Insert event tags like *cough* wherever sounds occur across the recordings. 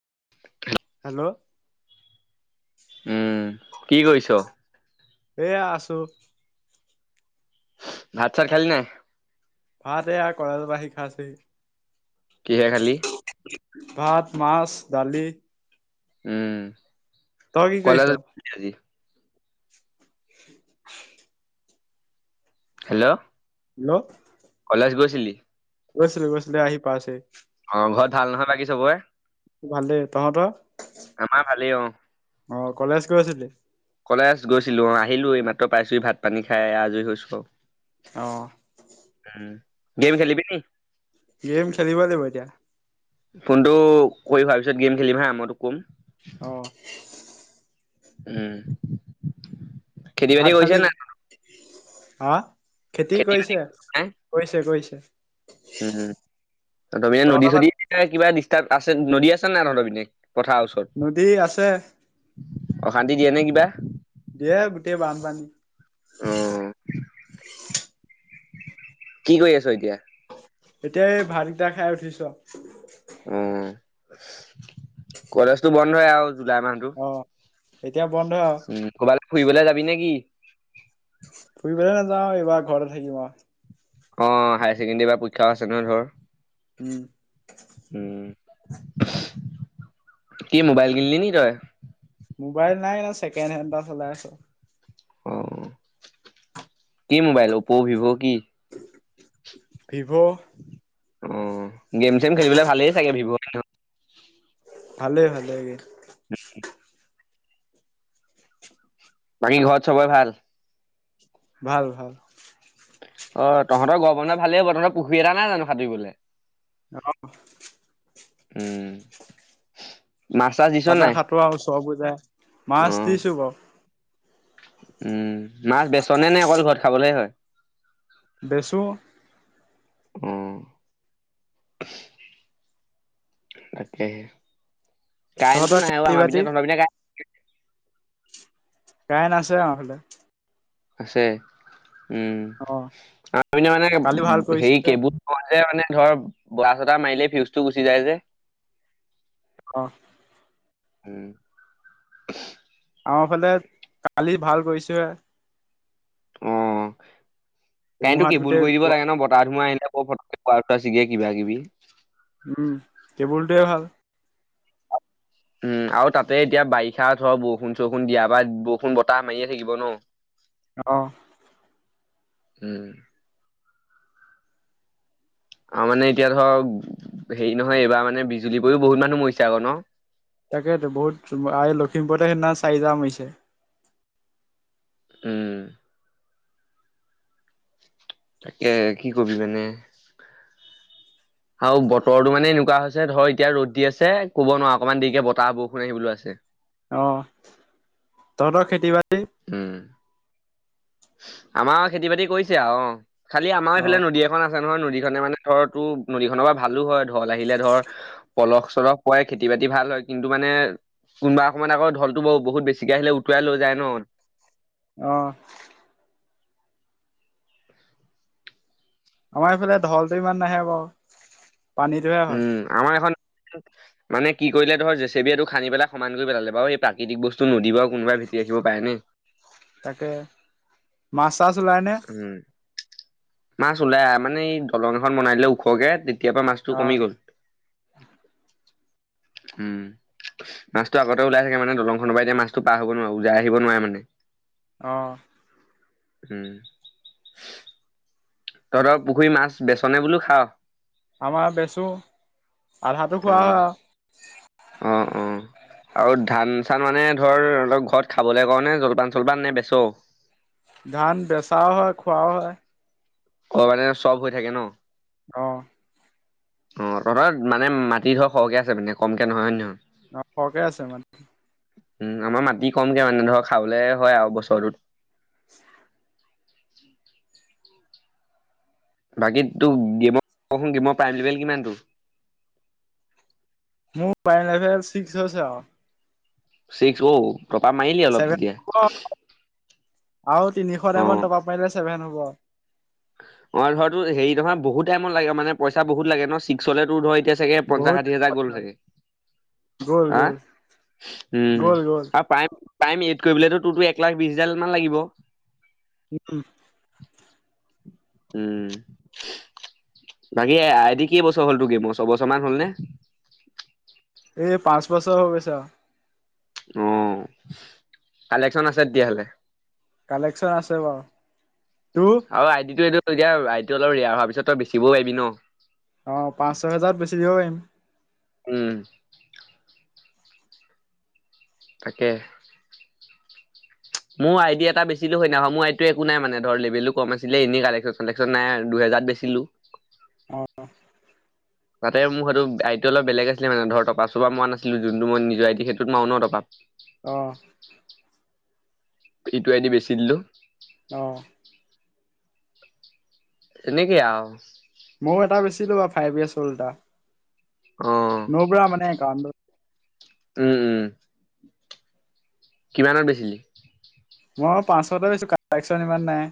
*unintelligible* Hello উ, কি কয়িছ? এয়া আছোঁ। ভাত চাত খালি নাই? ভাতে কলেজৰ পৰা আহি কিহে খালি খাইচুহি। ভাত, মাছ, দালি উম তই কি কৰিছ কলেজ *unintelligible* *inaudible* হেল্ল', হেল্ল', কলেজ গৈছিলি? গৈছিলোঁ-গৈছিলোঁ আহি পাইছোঁ অ' ঘৰত ভাল নহয় বাকী চবৰে? ভালে, তহঁতৰ? আমাৰ ভালেই অ', অ কলেজ গৈছিলি কলেজ গৈছিলোঁ অ' আহিলোঁ এই মাত্ৰ পাইছোঁ ভাত পানী খাই আজৰি হৈছোঁ অ উম গেম খেলিবিনি? গেম খেলিব লাগিব এতিয়া। ফোনটো কৰি হোৱাৰ পিছত গেম খেলিম হা মই তোক ক'ম। অ', উম, খেতি বাতি ভাত কৰিছে খালি নাই হা খেতি কৰিছে-কৰিছে-কৰিছে। উম-উম তহঁতৰ পিনে নদী চদী কিবা ডিচতাৰ্ব আছে নদী আছে নে তহঁতৰ পিনে? পথাৰৰ ওচৰত নদী আছে। অশান্তি দিয়ে নে কিবা? দিয়ে গোটেই বানপানী অ', কি কৰি আছ এতিয়া? এতিয়া এই ভাতকেইটা খাই উঠিছোঁ। উম কলেজটো বন্ধ আৰু জুলাই মাহটো। অ এতিয়া বন্ধ আৰু উম ক'ৰবালৈ ফুৰিবলৈ যাবি নেকি? ফুৰিবোলে নাযাওঁ এইবাৰ ঘৰতে থাকিম আৰু, অ অ হাইগ ছেকেণ্ডাৰীৰ বা পৰীক্ষাও আছে নহয় টো? উম, কি মোবাইল কিনিলি ন তই? মোবাইল নাই ন ছেকেণ্ড হেণ্ড এটা চলাই আছোঁ। অ কি? মোবাইল অপ' ভিভ' কি? ভিভ', অ গেম চেম খেলিবলৈ ভালেই চাগে ভিৱ? ভালে ভালে। আ *inaudible* বাকী ঘৰত ছবেই ভাল? ভাল ভাল, অ তহঁতৰ গৰ বন্ধ ভালেই হব তহঁতৰ পুখুৰী এটা নাই জানো সাটোৰিবলে? আহ *inaudible* উম, মাছ চাছ দিছ তাতে নাই? খাটোৰা উচৰ পৰি যায় অ মাছ দিছোঁ বাৰু, উম, মাছ বেচনে নে অকল ঘৰত খাবলে হয়? বেছোঁ, উ, তাকেহে, কাৰেণ্টটো তহঁতৰ নাই আৰু খেতি আমাৰ বাতি পিনে তহঁতৰ পিনে? কাৰেং আশে আমাৰ ফালে। আছে, উম, অ *unintelligible* মানে কালি ভাল হেৰি কৰিছোহে কেবোল *inaudible* ধৰ, *unintelligible* মাৰিলেই ফিউজটো গুচি যায় যে। অ'। উম। আমাৰ ফালে কালি ভাল কৰিছোঁ হে। অ', কাৰেণ্টটো ধুমুহাত কি বুল গোটেই কৰি দিব লাগে ন', বতাহ ধুমুহা আহিল আকৌ ফতকে *unintelligible* চিঙে কিবা কিবি। উম, কেবুলটোৱে ভাল। উম, আৰু তাতে এতিয়া বাৰিষা ধৰ বৰষুণ চৰষুণ দিয়াৰ বা বৰষুণ বতাহ মাৰিয়ে থাকিব ন'। অ'। উম। আৰু মানে এতিয়া ধৰ হেৰি নহয় এইবাৰ মানে বিজুলী পৰিও বহুত মানুহ মৰিছে আকৌ ন'? তাকেটো বহুত অ', লখিমপুৰতে সেইদিনাখন চাৰি জা মাৰিছে। উম। তাকে কি ক'বি মানে আৰু বতৰটো মানে এনেকুৱা হৈছে ধৰ এতিয়া ৰ'দ দি আছে, ক'ব নোৱাৰ অকণমান দেৰিকে বতাহ বৰষুণ আহিবলৈ আছে। অ', তহঁতৰ খেতি বা উম। আমাৰ আৰু খেতি বাতি কৰিছে আৰু খালি আমাৰ অ এইফালে নদী এখন আছে নহয়, নদী লে কাৰণে ধৰ তোৰ নদীখনৰপৰা ভালো হয়, ঢল আহিলে ধৰ পলস চলস পুৱাই খেতি বাতি ভাল হয়। কিন্তু মানে কোনোবা সময়ত ঢলটো ব-বহুত বেছিকে আহিলে উটুৱাই লৈ যায় ন'। অ'। আমাৰ ইফালে ঢলটো ইমান নাহে বাৰু পানীটো হে হয়। উম আমাৰ এখন মানে কি কৰিলে ধৰ জেচিবি এইটো খান্দি পেলাই সমান কৰি পেলালে বাৰু এই প্ৰাকৃতিক বস্তু নদী বা আৰু কোনোবা *unintelligible* ৰাখিব পায় নে? তাকে মাছ চাছ ওলাই নে? উম মাছ ওলাই মানে এই দলং এখন বনাই দিলে ওখকে তে তেতিয়া পৰা মাছটো অ কমি গ'ল, উম। মাছটো আগতে ওলাই থাকে মানে, দলংখনৰ পৰা এতিয়া মাছটো পাৰ হ'ব নোৱাৰে ওলাই আহিব নোৱাৰে মানে। অ'। উম। তহঁতৰ পুখুৰী মাছ বেচনে বোলো খাওঁ? আমাৰ বেচো, আধাটো খোৱা অ', হয় আৰু। অ', অ'। আৰু ধান চান মানে ধৰ তহঁতৰ ঘৰত খাবলৈ কাৰণে জলপান চলপান নে বেচ'ও? ধান বেচাও হয় খোৱাও হয়। অ', মানে চব হৈ থাকে ন'। অ'। অ', তহঁতৰ মানে মাটি ধৰ সৰহকে আছে মানে কমকে নহয় হয় নে নহয়? অ', সৰহকে আছে মাটি। উম, আমাৰ মাটি কমকে মানে ধৰ খাবলে হয় আৰু বছৰটোত। *inaudible* *inaudible* বাকী তোৰ *unintelligible* প্ৰাইম লেবেল কিমান তোৰ? মোৰ প্ৰাইম লেবেল চিক্স হৈছে আৰু। চিক্স ও। চেফেন *unintelligible* আৰু তিনিশ টকা মান অ'। পাৰিলে ছে ছেভেন হ'ব। অ', ধৰ তোৰ হেৰি নহয় বহুত টাইমত লাগে পইচা বহুত লাগে ন' চিক্স হ'লে তোৰ ধৰ এতিয়া চাগে পঞ্চাশ, বহুত ষাঠি হাজাৰ গ'ল পইচা চাগে। গ'ল হা, গ'ল উম, গ'ল গ'ল আৰু প্ৰায় *unintelligible* কৰিবলে তোৰটো এক লাখ বিশ হাজাৰ মান লাগিব? উম। উম। বাকী এটি কেই বছৰ হ'ল তটো গেম ছবছৰ মান হ'ল নে। এই পাঁচ বছৰ হৈ গৈছে। অ কালেকচন আছে তেতিয়া হ'লে। কালেকচন আছে বাৰু তোৰ। আৰু *inaudible* বেচিবও পাৰি ন। অ পাঁচ ছয় হেজাৰত বেছি দিব পাৰিম। উম। তাকে। মোৰ আইডি এটা বেছিলৈ ননা মোৰইতটো একো নাই মানে ধৰ লেভেলো কম আছিলে এনে কেকন চেন নাই গাত বেছিলু। অ' তাতে মোৰেইটো আইট অপ বেলেগ আছিলে। মানে ধৰ টকা চোপা মোৱা নাছিলো। যোনটো মই নিজৰ আইটি সেইটোত মা ন অ টপকা। *inaudible* এইটো এ দি বেচি দিলো। অ এনেকে আৰু। ময়ো এটা বেচিলো বা ফাইভ ই এছ 'চলটা। অ নোবৰা মানে একাউণ্ট। উম উম কিমানত বেছিলি। মই পাচশতে পাইছো কলেকচন ইমান নাই।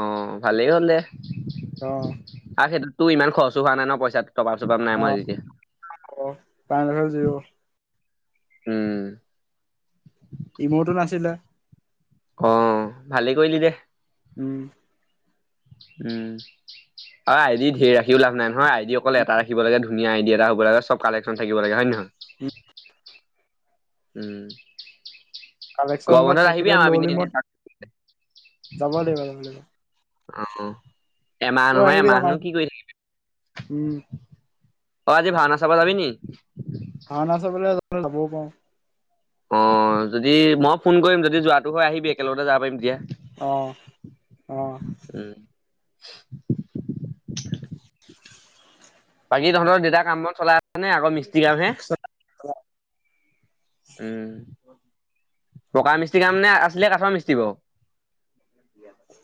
অ ভালেই হ'ল দে অ আৰু সেইটোততো ইমান খৰচো হোৱা নাই ন পইচাত। তপাৰ চপাৰ নাই অ মাৰ তেতিয়া। অ', পাই লেভেল জিৰ' উম। ইমুৰটো নাছিলে। অ ভালেই কৰিলি দে। উম। উম। অ আই ডি ধেৰ ৰাখিও লাভ নাই নহয়। আই ডি অকল এটা ৰাখিব লাগে, ধুনীয়া আই ডি এটা হব লাগে, চব কালেকচন থাকিব লাগে, হয় নে নহয়? *unintelligible* উম। কালেকচন গৰম অলপ বন্ধত আহিবি থাকিলে আমাৰ ল' পিনে এনেই লিমত থাকা যাব লাগিব যাব লাগিব অহ, এমাহ তই নহয় আহিবি আমাৰ এমাহনো কি কৰি থাকিবি? উম অ আজি ভাওনা চাব যাবি নি? ভাওনা চাবলৈ গলে যাবও পাৰো। অ যদি মই ফোন কৰিম যদি যোৱাটো হয় আহিবি একেলগতে যাব পাৰিম তেতিয়া। অ, অ। *inaudible* বাকী তহঁতৰ দেতা কাম-বন চলাই আছে নে আগৰ মিস্ত্ৰী কামহে? উম। পকা মিস্ত্ৰী কাম নে আছিলে কাঠৰ মিস্ত্ৰী বাৰু?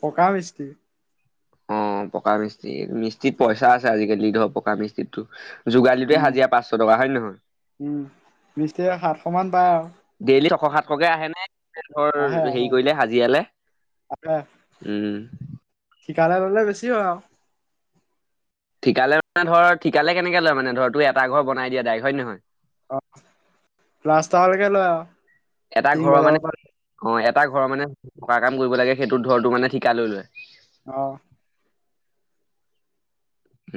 পকা মিস্ত্ৰী। অ' পকা মিস্ত্ৰী। মিস্ত্ৰীত পইচা আছে আজিকালি, ধৰ পকা মিষ্ট্ৰিটো। যোগালীটোৱে উম হাজিৰা পাঁচশ টকা, হয় নে নহয়? উম মিস্ত্ৰীয়ে সাতশ মান পায় আৰু দেইলী শ- সাতশকে আহেনে? ধৰ আহে হেৰি আহে কৰিলে হাজিৰালে? আহে উম। ঠিকালে ল'লে বেছি হয় আৰু। ঠিকালে মানে ধৰ ঠিকালে কেনেকে লয় মানে ধৰ তই এটা ঘৰ বনাই দিয়ে দাইৰেক, হয় নে নহয়? অ' প্লাস্তাৰ লৈকে লয় আও। এটা ঘৰৰ মানে- অ' এ তাৰ ঘৰৰ মানে পকা কাম কৰিব লাগে, সেইটো ঘৰটো মানে ঠিকা লৈ লয়। অ',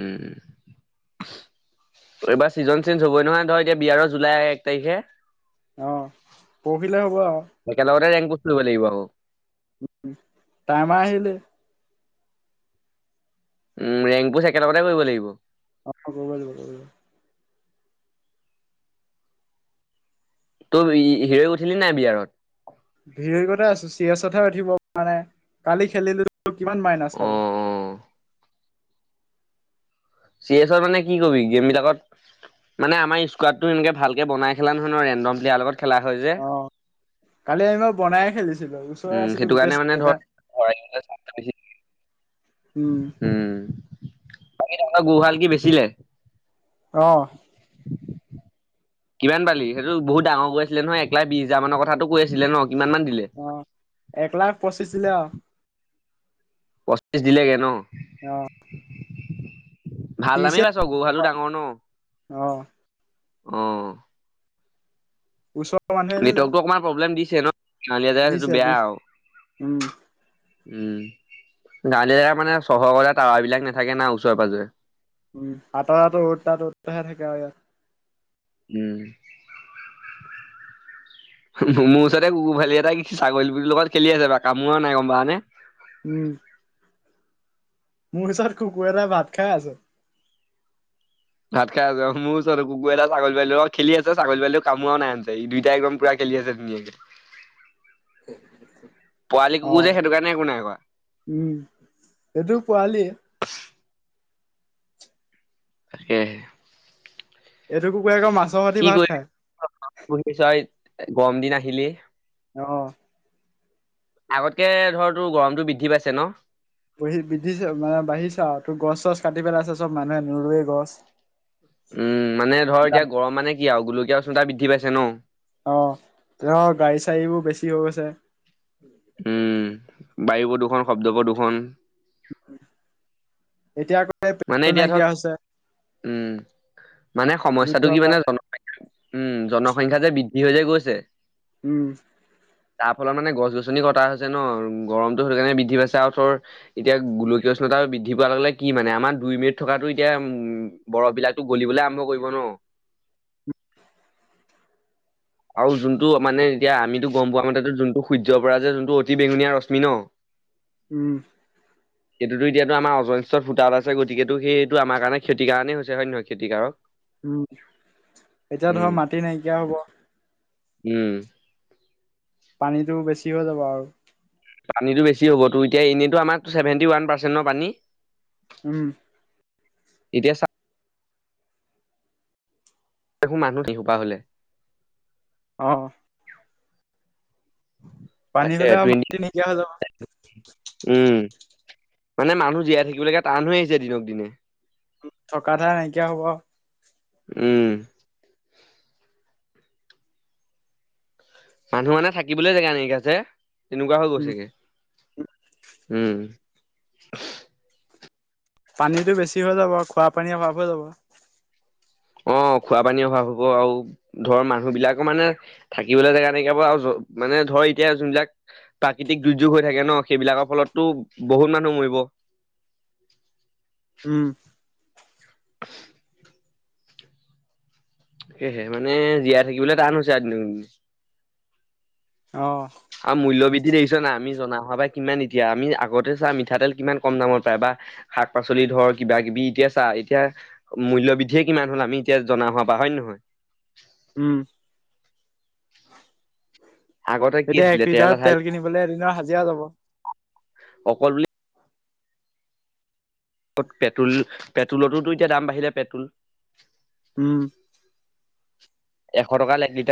উম। এইবাৰ ছিজন চেঞ্জ হ'বই নহয় ন। ধৰ এতিয়া বিয়াৰৰ জুলাই এক তাৰিখে। অ', পৰহিলে হ'ব আৰু। কি কৰিব লাগিব আকৌ? টাইমা আহিলে। উম, ৰেংপুচ একেলগতে কৰিব লাগিব। *unintelligible* তই ই-ই হি'ৰ উঠিলি নাই বিয়া ঘৰত? হিৰকেইতে আছোঁ। চি এছ তহে উঠিব মানে। কালি খেলিলো। কিমান মাইনাছ অ খালে? অ চি এছৰ মানে কি কবি, গেম বিলাকত? মানে আমাৰ স্কোৱাড টো এনেকে ভালকে বনাই খেলা নহয় ন। ৰেনডম প্লেয়াৰৰ লগত খেলা হয় যে। অ কালি আমি মই বনাই খেলিছিলো ওচৰৰে উম, আছিলো সেইটো গোটেই কাৰণে মানে চাৰিটা ধৰ *unintelligible* বেছি। *inaudible* উম, বাকী তহঁতৰ গোহাল কি বেচিলে? অ', কিমান পালি? সেইটো বহুত ডাঙৰ গৰু আছিলে নহয়। একলাখ বিশ হাজাৰ মানৰ কথাটো কৈ আছিলে ন। কিমান মান দিলে? অ', এক লাখ পঁচিছ দিলে আৰু। পঁচিছ দিলেগে ন। অ', ভাল ত্ৰিছে দামেই পাইছো। গৰুহালো ডাঙৰ ন। অ', অ', ওচত নেটৱৰ্কটো অকমান প্ৰব্লেম দিছে ন। গাঁৱলীয়া জেগাত সেইটো দিছে বেয়া দিছে আৰু। উম, গাঁৱলীয়া জেগা মানে, চহৰৰ টাৱাবিলাক নাথাকে ন, ওচৰে পাজৰে। উম, আতৰা-আতো অ'ত এটা ত'ত এটাহে থাকে আৰু ইয়াত। উম। মোৰ ওচৰতে কুকুৰ পোৱালি এটাই ছাগলী *unintelligible* টো লগত খেলি আছে কামোৰা নাই গম পানে? উম। মোৰ ওচৰত কুকুৰ এটাই ভাত খাই আছে। ভাত খাই আছে। মোৰ ওচৰত কুকুৰ এটা ক' ছাগলী পোৱালি এটা খেলি আছে। ছাগলী পোৱালি কামোৱা নাই আনজাই। দুইটাই একদম পুৰা খে খেলি আছে ধুনীয়াকে। *inaudible* পোৱালি কুকুৰ অ', যে, সেইটো কাৰণে একো নাই কৰা। উম এইটো পোৱালিয়ে। সেয়ে। এইটো কুকুৰে আকৌ মাছ কি কৰিলি? *unintelligible* গৰম দিন আহিলেই। অ' আগতকে ধৰ তোৰ গৰমটো বৃদ্ধি পাইছে ন? বহি বিধিছে মানে বাঢ়িছে আও। তোৰ গছ-চছ কাটি পেলাইছে চব। মানুহে নৰুৱে গছ। উম, মানে ধৰ এতিয়া গৰম মানে কি আৰু গোলকীয়া উষ্ণতা বৃদ্ধি পাইছে ন'। তেওঁৰ গাড়ী-চাৰী বোৰ বেছি হৈ গৈছে। উম, বায়ু প্ৰদূষণ, শব্দ প্ৰদূষণ। এতিয়া *unintelligible* মানে এতিয়া ধৰক নাইকিয়া হৈছে। উম, মানে সমস্যাটো যুদ্ধৰ কি পৰা। মানে, জন। *unintelligible* উম, জনসংখ্যা যে বৃদ্ধি ই *unintelligible* গৈছে। উম', তাৰ ফলত মানে গছ গছনি কটা হৈছে ন' গৰমতটো সেইটোকাৰণে বৃদ্ধি পাইছে আৰুঠৰ এতিয়া গোলকীয় পিছত আৰু বৃদ্ধি পোৱা লগে মানে আমাৰ দুই মিনিট থকাাতটো এতিয়া উম বৰফ বিলাকতো গলিবলৈ আৰম্ভ কৰিব ন'! উম, ' আৰু যোনটো মানে এতিয়া আমিতো গম পোৱা মতে যোনটো সূৰ্য পৰা যে যোনটো অতি বেঙুনীয়া ৰশ্মি ন' উম', সেইটোতো এতিয়াতো আমাৰ অজৰত ফুতাত আছে গতিকেতটো সেইটো আমাৰ কাৰেতি কাৰণেই হৈছে হয় নে নহয় ক্ষতিকাৰক উম' এতিয়া ধৰ উম মাটি নাইকিয়া হব। উম', পানীতটো বেছি হৈ যাব আৰু পানীটো বেছি হ'ব তো এতিয়া এনেইতো আমাৰ ছেভেন্টি ওৱান পাৰ্চেন্টৰ পানী? উম, ' এতিয়া চ হো মানুহ দেশোপা হলে। অ, ' পানী তাকে হ'লে আৰু টটি মাটি নাইকিয়া হৈ যাব উম, ' মানে মানুহ জীয়াই থাকিব লাগে টান হৈ আহিছে দিনক দিনে থকা ধাই নাইকিয়া হ'ব আৰু উম মানুহ মানে থাকিবলৈ জেগা নাইিকা যে এনেকুৱা হৈ উম, গৈছেগে উম', পানীতটো বেছি হৈ যাব, খোৱা পানী অভাৱ হৈ যাব। অ' খোৱা পানী অভাৱ হ'ব আৰু ধৰ মানুহ বিলাকৰ মানে থাকিবলৈ জাগা নাইকিয়া আৰু মানে ধৰ এতিয়া যোনবিলাক প্ৰাকৃতিক দুৰ্যোগ হৈ থাকে ন' সেইবিলাকৰ ফলতো বহুত মানুহ মৰিব। *inaudible* উম, ' *unintelligible* সেয়েহে মানে জীয়াই থাকিবলৈ টান হৈছে আজিৰ দিনত অ, ' আৰু মূল্য বৃদ্ধি দেখিছে না আমি জনা হ' বা কিমান এতিয়া আমি আগতে চা মিঠাতেল কিমান কম দামত পাই বা শাক পাচলি ধৰ কিবা কিবি এতিয়া চা এতিয়া মূল্য় বৃদ্ধিয়ে কিমান হল আমি এতিয়া জনা হোৱা বা হয় নহয়? উম, আগতে ' কি এতিয়া আছিলে এক লিটাৰত আধাই তেল কিনিবলৈ এদিনৰ হাজিৰা যাব। অকল বুলি পেট্ৰল পেট্ৰলতোতো এতিয়া দাম বাঢ়িলে পেট্ৰল উম, ' এশ টকা লে এক লিটাৰ